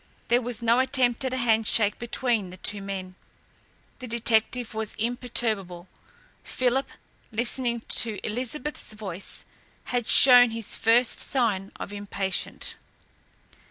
There was no attempt at a handshake between the two men. The detective was imperturbable. Philip, listening to Elizabeth's voice, had shown his first sign of impatience.